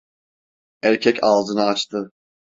Erkek ağzını açtı: